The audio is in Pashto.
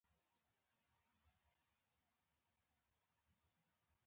تر اتو ساعتونو پورې خوب په باور ساتلو کې مرسته کوي.